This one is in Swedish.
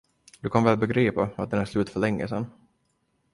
Du kan väl begripa, att den är slut för längesedan.